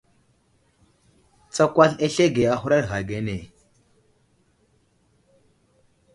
Tsakwasl azlege a huraɗ ghay age.